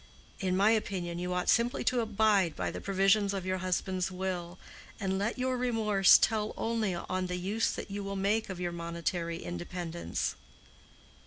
In my opinion you ought simply to abide by the provisions of your husband's will, and let your remorse tell only on the use that you will make of your monetary independence."